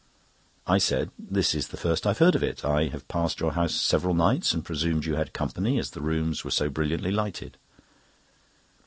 I said: "This is the first I have heard of it. I have passed your house several nights, and presumed you had company, as the rooms were so brilliantly lighted."